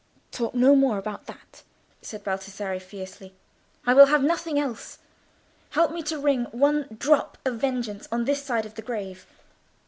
"Talk no more about that," said Baldassarre, fiercely. "I will have nothing else. Help me to wring one drop of vengeance on this side of the grave.